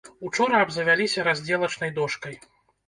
Учора абзавяліся раздзелачнай дошкай.